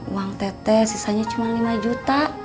uang teteh sisanya cuma lima juta